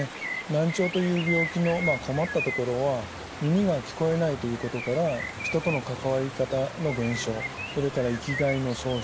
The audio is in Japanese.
難聴という病気の困ったところは耳が聞こえないということから人との関わり方の減少それから生きがいの喪失